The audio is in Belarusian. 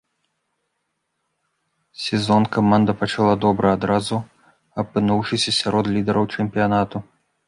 Сезон каманда пачала добра, адразу апынуўшыся сярод лідараў чэмпіянату.